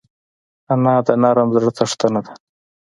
انا د نرم زړه څښتنه ده